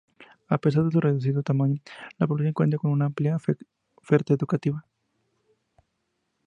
A pesar de su reducido tamaño, la población cuenta con una amplia oferta educativa.